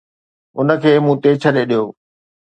ان کي مون تي ڇڏي ڏيو